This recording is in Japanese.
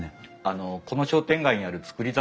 あのこの商店街にある造り